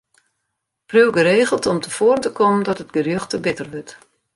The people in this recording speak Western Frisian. Priuw geregeld om te foaren te kommen dat it gerjocht te bitter wurdt.